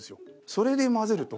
それで混ぜると。